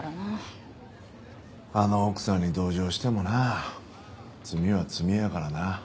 あの奥さんに同情してもな罪は罪やからな。